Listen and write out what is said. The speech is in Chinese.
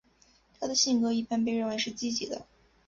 她的性格一般被认为是积极的。